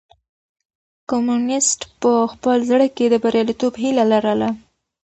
کمونيسټ په خپل زړه کې د برياليتوب هيله لرله.